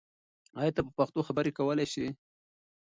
آیا ته په پښتو خبرې کولای سې؟